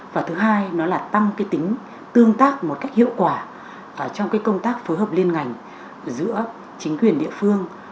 và thứ hai nó là tăng tính tương tác một cách hiệu quả trong công tác phối hợp liên ngành giữa chính quyền địa phương